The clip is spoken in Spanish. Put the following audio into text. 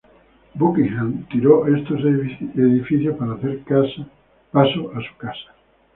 Buckingham tiró estos edificios para hacer paso a su casa.